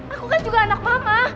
aku kan juga anak mama